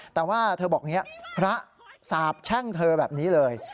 แต่ว่าเธอบอกอย่างนี้พระสาบแช่งเธอแบบนี้เลย